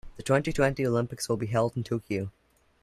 The twenty-twenty Olympics will be held in Tokyo.